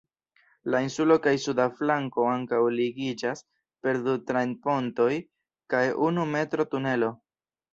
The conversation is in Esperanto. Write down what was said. La insulo kaj suda flanko ankaŭ ligiĝas per du trajn-pontoj kaj unu metro-tunelo.